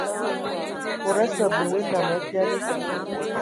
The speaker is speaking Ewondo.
Mod osə abələ nnam abiali.